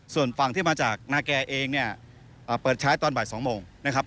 ส่วนฝั่งที่มาจากนาแก่เองเนี่ยเปิดใช้ตอนบ่าย๒โมงนะครับ